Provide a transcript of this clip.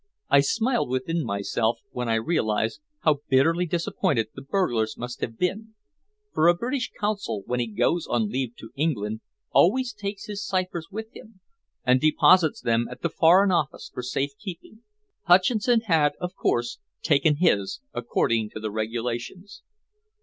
I smiled within myself when I realized how bitterly disappointed the burglars must have been, for a British Consul when he goes on leave to England always takes his ciphers with him, and deposits them at the Foreign Office for safekeeping. Hutcheson had, of course, taken his, according to the regulations.